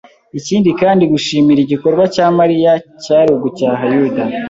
Ikindi kandi gushimira igikorwa cya Mariya kvari ugucyaha Yuda.